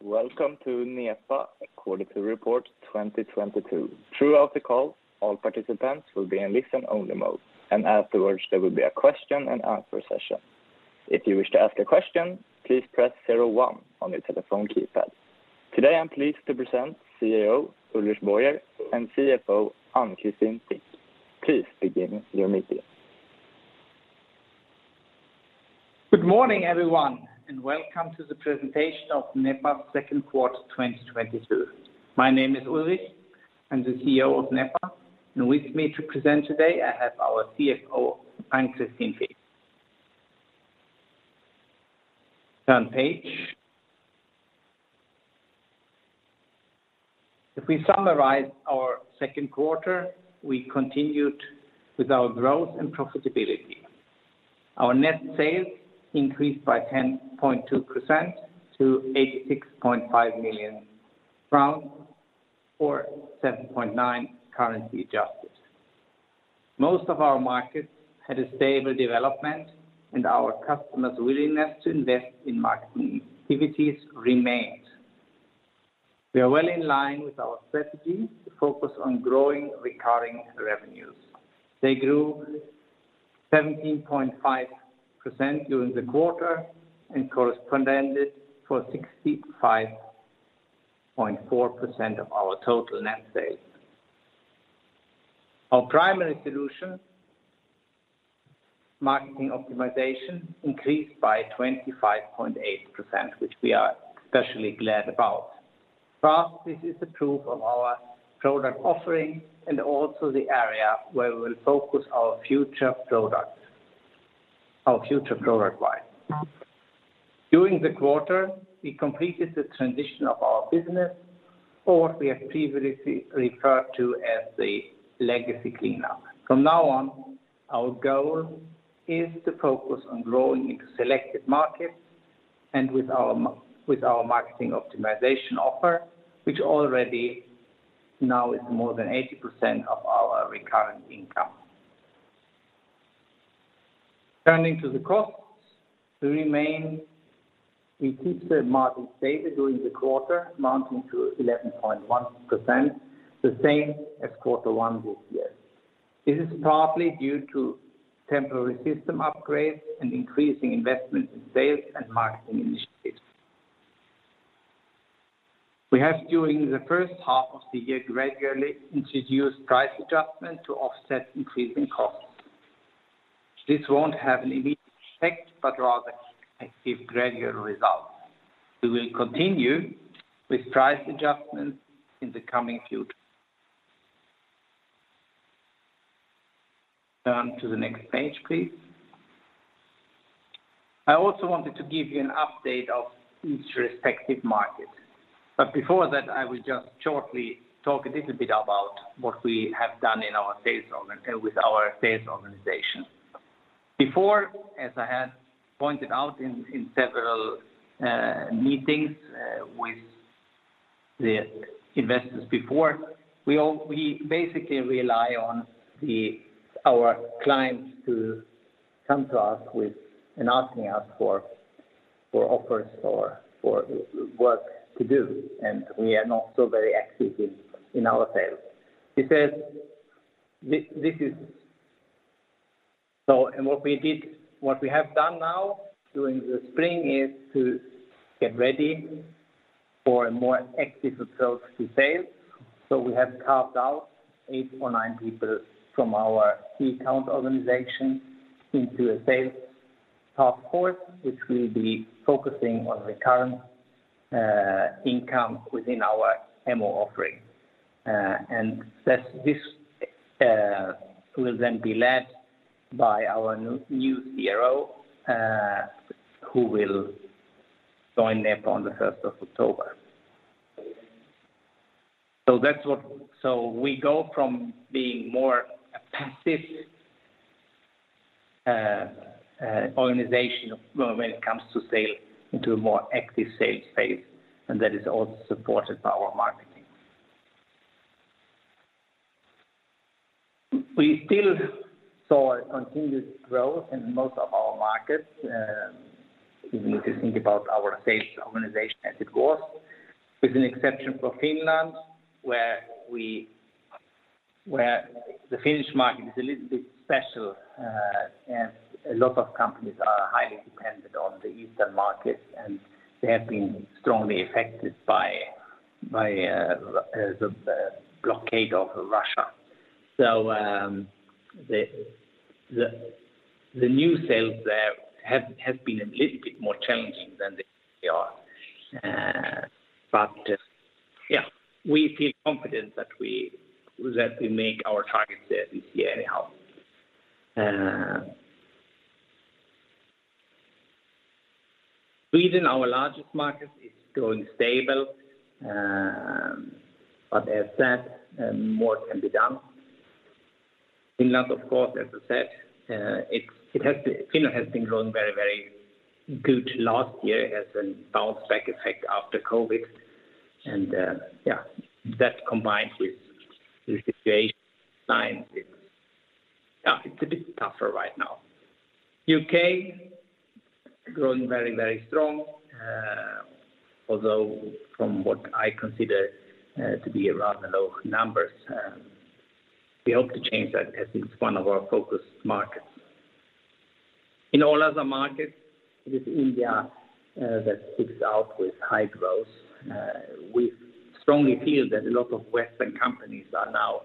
Welcome to Nepa Quarterly Report 2022. Throughout the call, all participants will be in listen-only mode, and afterwards there will be a question and answer session. If you wish to ask a question, please press zero one on your telephone keypad. Today, I'm pleased to present CEO Ulrich Boyer and CFO Ann-Christine Fick. Please begin your meeting. Good morning, everyone, and welcome to the presentation of Nepa second quarter 2022. My name is Ulrich. I'm the CEO of Nepa, and with me to present today, I have our CFO, Ann-Christine Fick. Turn page. If we summarize our second quarter, we continued with our growth and profitability. Our net sales increased by 10.2% to 86.5 million crowns, or 7.9% currency adjusted. Most of our markets had a stable development, and our customers' willingness to invest in marketing activities remained. We are well in line with our strategy to focus on growing recurring revenues. They grew 17.5% during the quarter, and corresponded for 65.4% of our total net sales. Our primary solution, marketing optimization, increased by 25.8%, which we are especially glad about. For us, this is the proof of our product offering and also the area where we will focus our future products, our future product line. During the quarter, we completed the transition of our business, or what we have previously referred to as the legacy cleanup. From now on, our goal is to focus on growing into selected markets and with our Marketing Optimization offer, which already now is more than 80% of our recurrent income. Turning to the costs, we keep the margin stable during the quarter, amounting to 11.1%, the same as quarter one this year. This is partly due to temporary system upgrades and increasing investment in sales and marketing initiatives. We have, during the first half of the year, gradually introduced price adjustments to offset increasing costs. This won't have an immediate effect, but rather give gradual results. We will continue with price adjustments in the coming future. Turn to the next page, please. I also wanted to give you an update of each respective market. Before that, I will just shortly talk a little bit about what we have done with our sales organization. Before, as I had pointed out in several meetings with the investors before, we basically rely on our clients to come to us with and asking us for offers or for work to do, and we are not so very active in our sales. It says this is. What we have done now during the spring is to get ready for a more active approach to sales. We have carved out eight or nine people from our key account organization into a sales force, which will be focusing on recurring income within our MO offering. That will then be led by our new CRO, who will join Nepa on the 1st of October. We go from being more a passive organization when it comes to sales into a more active sales phase, and that is also supported by our marketing. We still saw a continuous growth in most of our markets, if you think about our sales organization as it was, with an exception for Finland, where the Finnish market is a little bit special, as a lot of companies are highly dependent on the Eastern market, and they have been strongly affected by the blockade of Russia. The new sales there have been a little bit more challenging than they are. We feel confident that we make our targets there this year anyhow. Sweden, our largest market, is going stable. As said, more can be done. Finland has been growing very good last year as a bounce back effect after COVID. Yeah, that combined with the situation. Yeah, it's a bit tougher right now. U.K. growing very, very strong, although from what I consider to be rather low numbers. We hope to change that as it's one of our focus markets. In all other markets, it is India that sticks out with high growth. We strongly feel that a lot of Western companies are now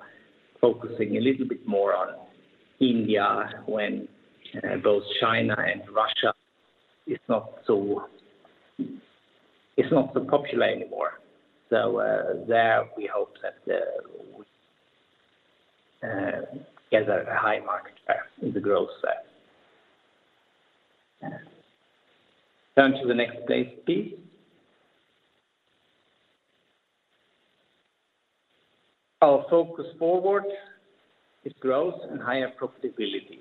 focusing a little bit more on India when both China and Russia is not so popular anymore. There we hope that we gather a high market share in the growth set. Turn to the next page, please. Our focus forward is growth and higher profitability.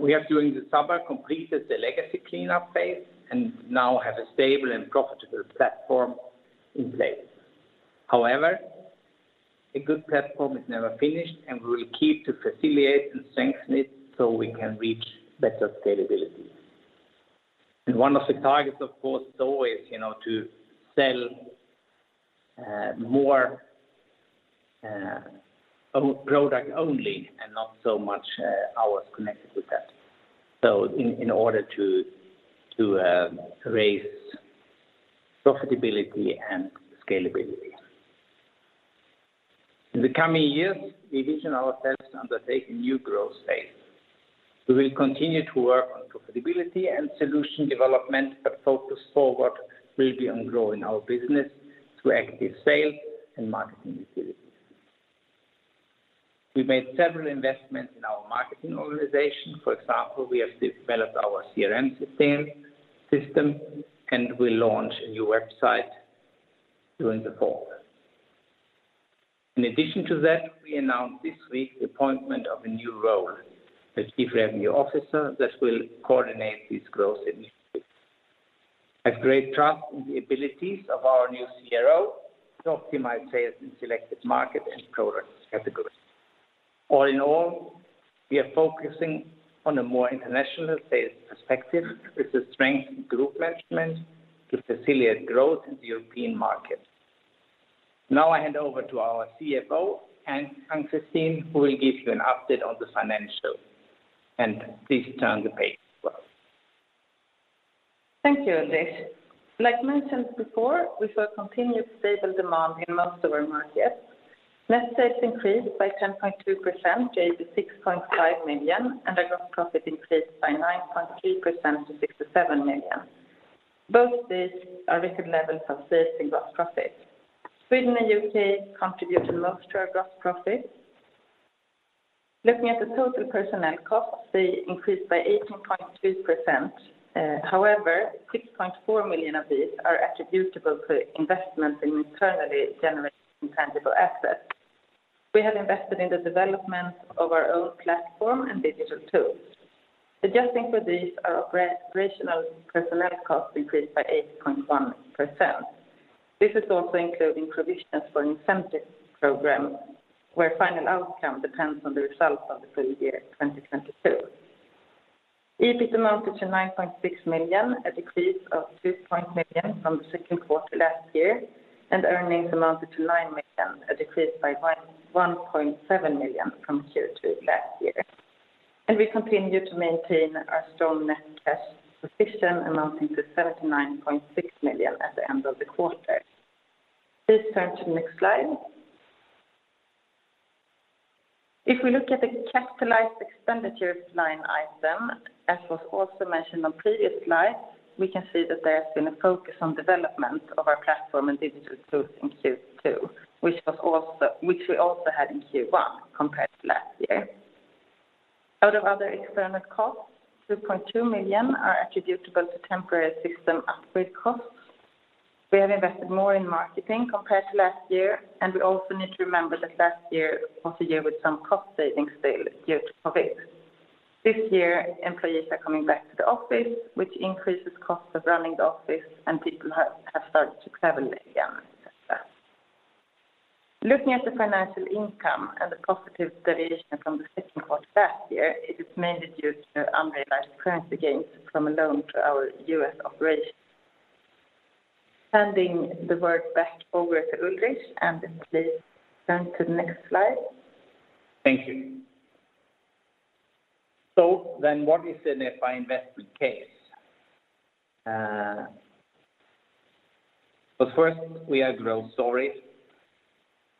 We have during the summer completed the legacy cleanup phase and now have a stable and profitable platform in place. However, a good platform is never finished, and we will keep to facilitate and strengthen it so we can reach better scalability. One of the targets, of course, is always, you know, to sell more product only and not so much hours connected with that, so in order to raise profitability and scalability. In the coming years, we envision ourselves to undertake a new growth phase. We will continue to work on profitability and solution development, but focus forward will be on growing our business through active sales and marketing activities. We made several investments in our marketing organization. For example, we have developed our CRM system and we launch a new website during the fall. In addition to that, we announced this week the appointment of a new role as Chief Revenue Officer that will coordinate these growth initiatives. I have great trust in the abilities of our new CRO to optimize sales in selected markets and product categories. All in all, we are focusing on a more international sales perspective with the strength in group management to facilitate growth in the European market. Now I hand over to our CFO, Ann-Christine, who will give you an update on the financials. Please turn the page as well. Thank you, Ulrich. Like mentioned before, we saw continued stable demand in most of our markets. Net sales increased by 10.2% to 86.5 million, and our gross profit increased by 9.3% to 67 million. Both these are record levels of sales and gross profit. Sweden and U.K. contribute the most to our gross profit. Looking at the total personnel costs, they increased by 18.2%. However, 6.4 million of these are attributable to investment in internally generated intangible assets. We have invested in the development of our own platform and digital tools. Adjusting for these, our operational personnel costs increased by 8.1%. This is also including provisions for an incentive program where final outcome depends on the results of the full year 2022. EBIT amounted to 9.6 million, a decrease of 6 million from the second quarter last year, and earnings amounted to 9 million, a decrease by 1.7 million from Q2 last year. We continue to maintain our strong net cash position amounting to 79.6 million at the end of the quarter. Please turn to the next slide. If we look at the capital expenditures line item, as was also mentioned on previous slide, we can see that there has been a focus on development of our platform and digital tools in Q2, which we also had in Q1 compared to last year. Out of other external costs, 2.2 million are attributable to temporary system upgrade costs. We have invested more in marketing compared to last year, and we also need to remember that last year was a year with some cost savings still due to COVID. This year, employees are coming back to the office, which increases costs of running the office, and people have started to travel again. Looking at the financial income and the positive deviation from the second quarter last year, it is mainly due to unrealized currency gains from a loan to our U.S. operations. Handing the word back over to Ulrich, and please turn to the next slide. Thank you. What is the Nepa investment case? First, we are a growth story.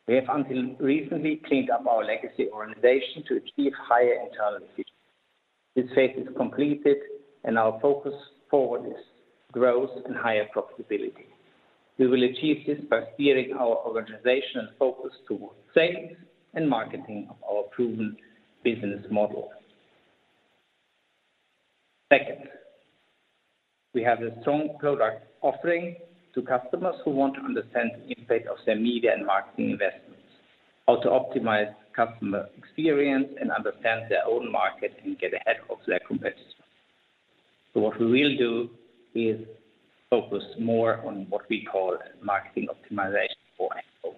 We have until recently cleaned up our legacy organization to achieve higher internal efficiency. This phase is completed, and our focus forward is growth and higher profitability. We will achieve this by steering our organization and focus towards sales and marketing of our proven business model. Second, we have a strong product offering to customers who want to understand the impact of their media and marketing investments, how to optimize customer experience, and understand their own market and get ahead of their competitors. What we will do is focus more on what we call marketing optimization for Echo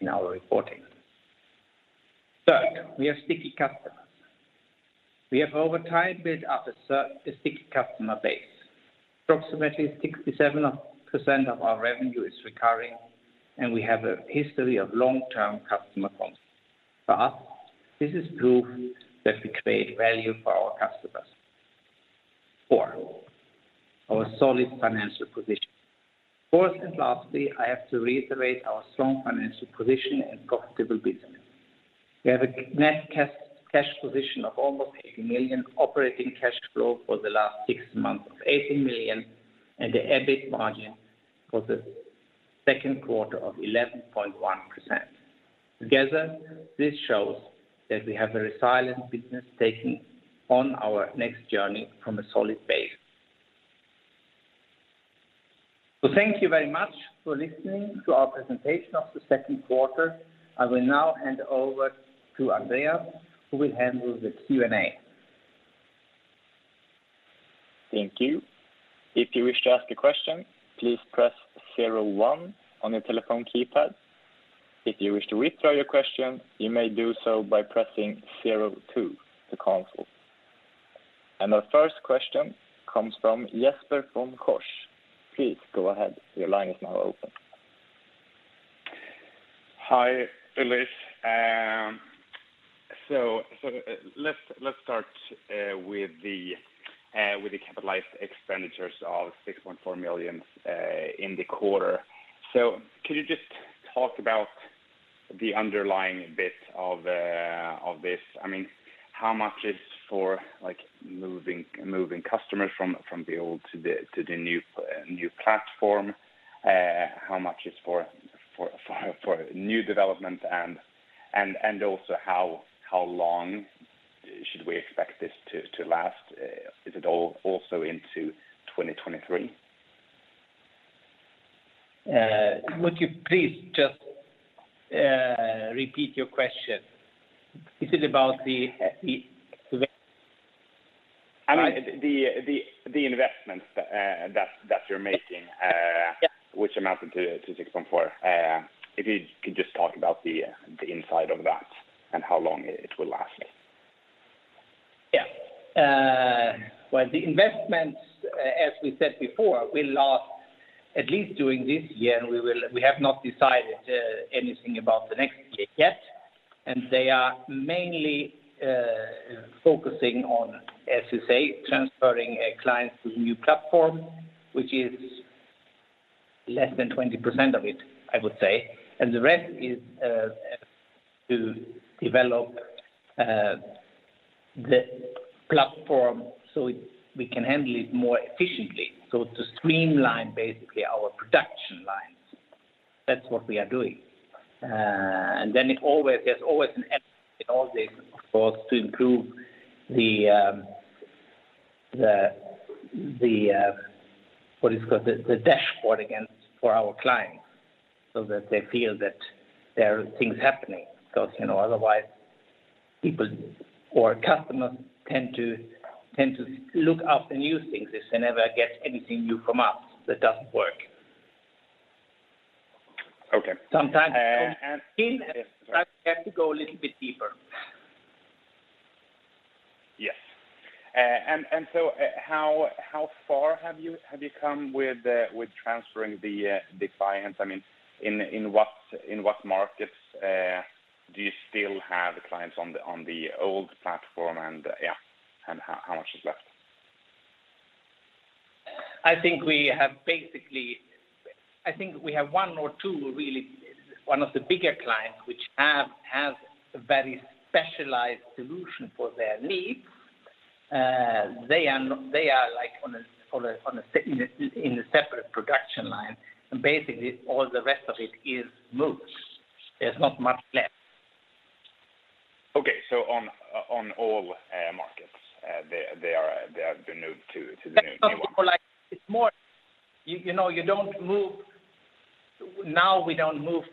in our reporting. Third, we have sticky customers. We have over time built up a sticky customer base. Approximately 67% of our revenue is recurring, and we have a history of long-term customer funds. For us, this is proof that we create value for our customers. Four, our solid financial position. Fourth, and lastly, I have to reiterate our strong financial position and profitable business. We have a net cash position of almost 80 million, operating cash flow for the last six months of 80 million, and the EBIT margin for the second quarter of 11.1%. Together, this shows that we have a resilient business taking on our next journey from a solid base. Thank you very much for listening to our presentation of the second quarter. I will now hand over to Anders, who will handle the Q&A. Thank you. If you wish to ask a question, please press zero one on your telephone keypad. If you wish to withdraw your question, you may do so by pressing zero two on the console. Our first question comes from Jesper from Redeye. Please go ahead. Your line is now open. Hi, Ulrich Boyer. Let's start with the capital expenditures of 6.4 million in the quarter. Could you just talk about the underlying EBIT of this? I mean, how much is for, like, moving customers from the old to the new platform? How much is for new development and also how long should we expect this to last? Is it also into 2023? Would you please just repeat your question? Is it about the? I mean, the investments that you're making. Yeah... which amounted to 6.4. If you could just talk about the inside of that and how long it will last. Yeah. Well, the investments, as we said before, will last at least during this year, and we have not decided anything about the next year yet. They are mainly focusing on, as you say, transferring a client to the new platform, which is less than 20% of it, I would say. The rest is to develop the platform so we can handle it more efficiently. To streamline basically our production lines, that's what we are doing. There's always an aim in all this, of course, to improve the what is it called? The dashboard access for our clients so that they feel that there are things happening. 'Cause, you know, otherwise people or customers tend to look up the new things if they never get anything new from us that doesn't work. Okay. Sometimes- And, and- In that we have to go a little bit deeper. Yes. How far have you come with transferring the clients? I mean, in what markets do you still have clients on the old platform? How much is left? I think we have one or two, really, one of the bigger clients which has a very specialized solution for their needs. They are like in a separate production line, and basically all the rest of it is moved. There's not much left. Okay. On all markets, they have been moved to the new one. You know, you don't move. Now we don't move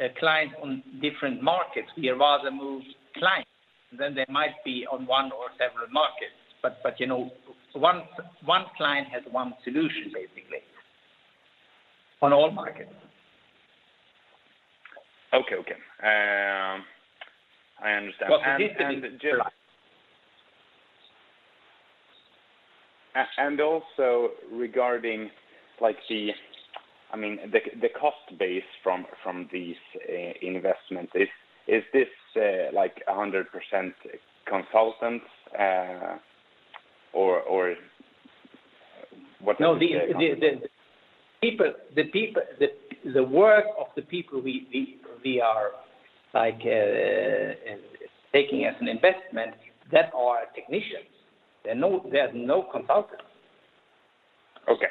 a client on different markets. We rather move clients, then they might be on one or several markets. You know, one client has one solution, basically, on all markets. Okay. I understand. But we did the- Regarding like the, I mean, the cost base from these investment, is this like 100% consultants, or what is it? No, the people, the work of the people we are like taking as an investment, that are technicians. There are no consultants. Okay.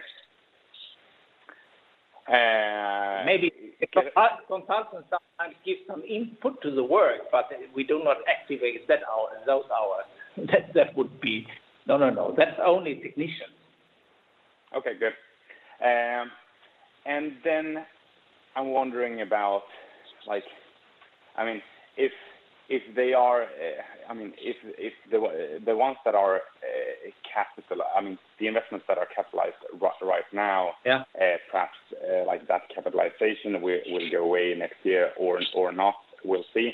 Maybe a consultant sometimes gives some input to the work, but we do not activate that hour, those hours. That would be. No. That's only technicians. Okay, good. I'm wondering about the investments that are capitalized right now. Yeah Perhaps like that capitalization will go away next year or not. We'll see.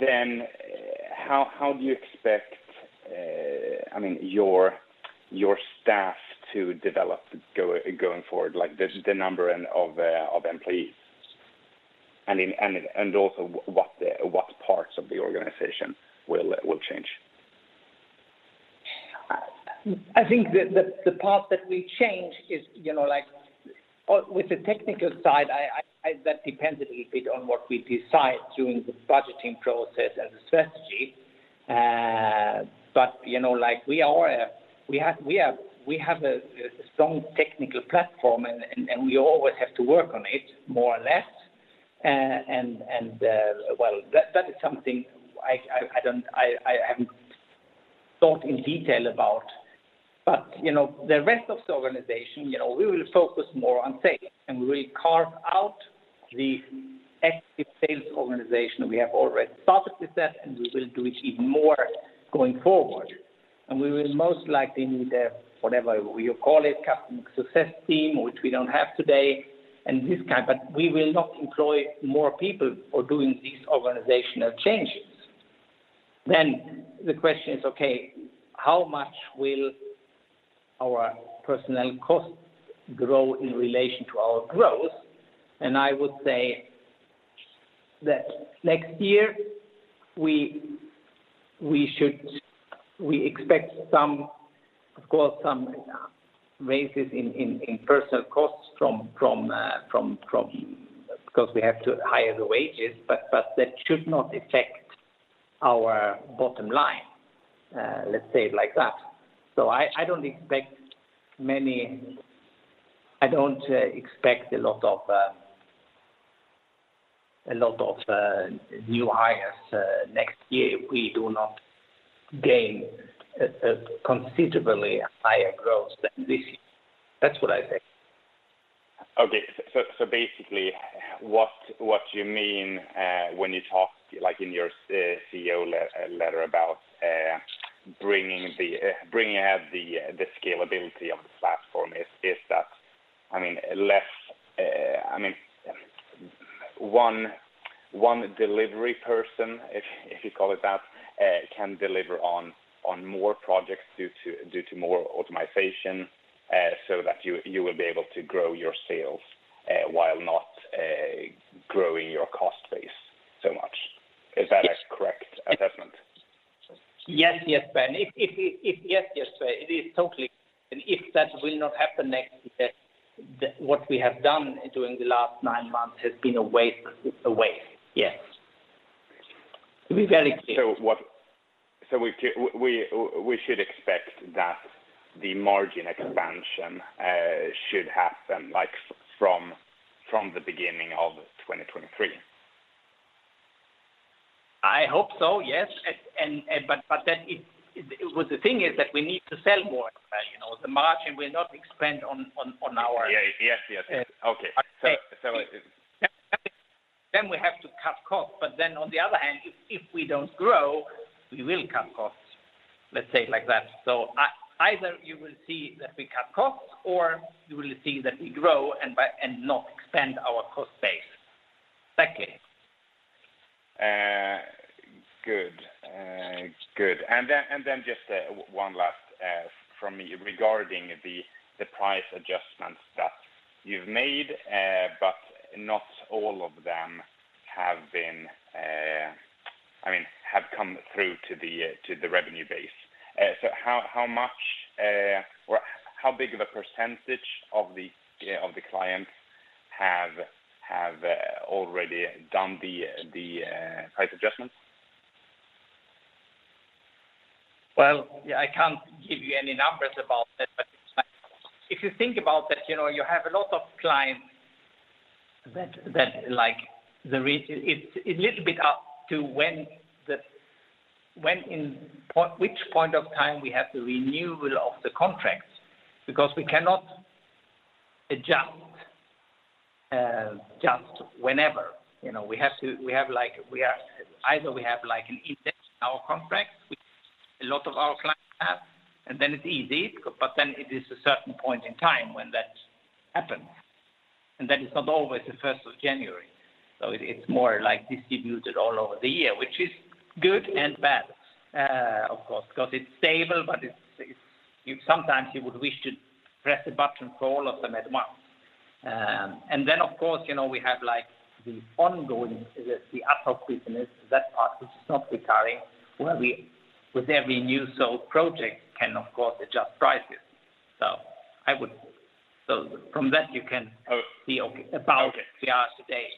Then how do you expect, I mean, your staff to develop going forward, like the number of employees? Also what parts of the organization will change? I think the part that will change is, you know, like with the technical side, that depends a little bit on what we decide during the budgeting process and the strategy. You know, like we have a strong technical platform and we always have to work on it more or less. Well, that is something I haven't thought in detail about. You know, the rest of the organization, you know, we will focus more on sales, and we will carve out the active sales organization. We have already started with that, and we will do it even more going forward. We will most likely need a, whatever you call it, customer success team, which we don't have today, and this kind. We will not employ more people for doing these organizational changes. The question is, okay, how much will our personnel costs grow in relation to our growth? I would say that next year, we expect some raises, of course, in personnel costs because we have to higher wages, but that should not affect our bottom line. Let's say it like that. I don't expect a lot of new hires next year if we do not gain a considerably higher growth than this year. That's what I think. Okay. Basically, what you mean when you talk like in your CEO letter about bringing out the scalability of the platform is that, I mean, one delivery person, if you call it that, can deliver on more projects due to more optimization, so that you will be able to grow your sales while not growing your cost base so much? Yes. Is that a correct assessment? Yes, Ben. Yes, Ben. It is totally. If that will not happen next year, then what we have done during the last nine months has been a waste. Yes. To be very clear. We should expect that the margin expansion should happen like from the beginning of 2023? I hope so, yes. Well, the thing is that we need to sell more, you know. The margin will not expand on our- Yeah. Yes, yes. Uh. Okay. We have to cut costs. On the other hand, if we don't grow, we will cut costs, let's say it like that. Either you will see that we cut costs or you will see that we grow and not expand our cost base. That's it. Good. Just one last from me regarding the price adjustments that you've made, but not all of them have been, I mean, have come through to the revenue base. How much or how big of a percentage of the clients have already done the price adjustments? Well, I can't give you any numbers about that. If you think about that, you know, you have a lot of clients that. It's a little bit up to when, in which point of time we have the renewal of the contracts, because we cannot adjust just whenever, you know. Either we have like an index in our contracts, which a lot of our clients have, and then it's easy, but then it is a certain point in time when that happens, and that is not always the first of January. It's more like distributed all over the year, which is good and bad, of course, because it's stable, but it's. Sometimes you would wish to press a button for all of them at once. Of course, you know, we have like the ongoing, the upsell business. That part is not recurring. With every new sold project can, of course, adjust prices. From that you can be okay about where we are today.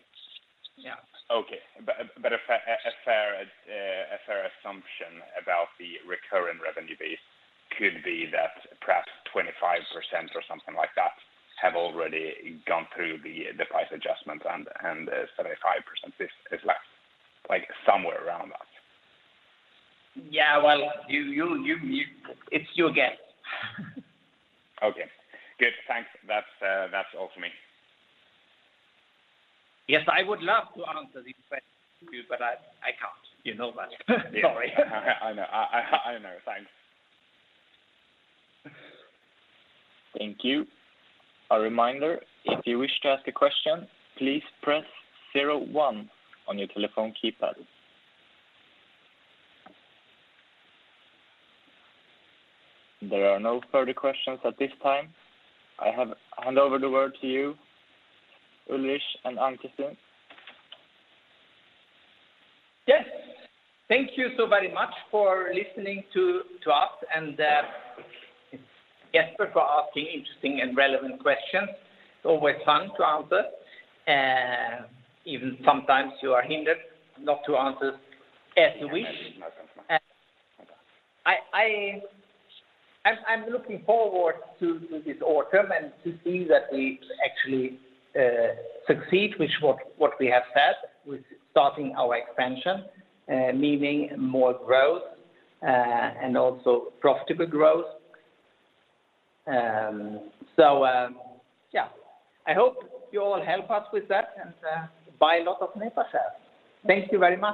Yeah. A fair assumption about the recurring revenue base could be that perhaps 25% or something like that have already gone through the price adjustment and 75% is left. Like somewhere around that. Yeah. Well, you. It's your guess. Okay. Good. Thanks. That's all for me. Yes. I would love to answer these questions for you, but I can't, you know that. Sorry. Yeah. I know. I know. Thanks. Thank you. A reminder, if you wish to ask a question, please press zero one on your telephone keypad. There are no further questions at this time. I hand over the word to you, Ulrich and Ann-Christine. Yes. Thank you so very much for listening to us and Jesper for asking interesting and relevant questions. It's always fun to answer. Even sometimes you are hindered not to answer as you wish. Yeah. No problem. I'm looking forward to this autumn and to see that we actually succeed with what we have said with starting our expansion, meaning more growth, and also profitable growth. I hope you all help us with that and buy a lot of Nepa shares. Thank you very much.